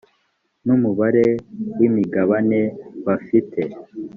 n umubare w imigabane bafite